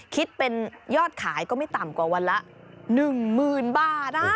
คิดเป็นยอดขายก็ไม่ต่ำกว่าวันละ๑๐๐๐บาท